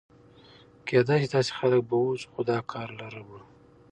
کېدای شي داسې خلک به و، خو دا کار له ربړو.